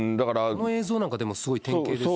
あの映像なんかすごい典型ですよね。